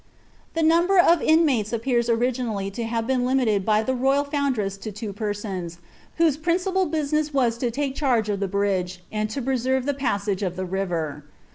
'he number of inmates appears originally to have been limited by Tojdl foundress to two persons, whose principal business was to i charge of the bridge, and to preserve the passage of the river.